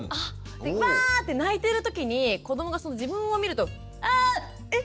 ワーって泣いてる時に子どもが自分を見るとア！えっ？